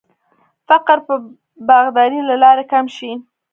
فقر به د باغدارۍ له لارې کم شي.